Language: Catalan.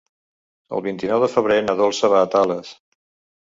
El vint-i-nou de febrer na Dolça va a Tales.